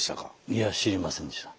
いや知りませんでした。